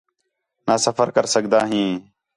نہ سفر کر سڳدا ہیں